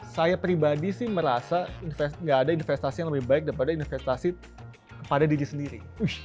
saya pribadi sih merasa gak ada investasi yang lebih baik daripada investasi kepada diri sendiri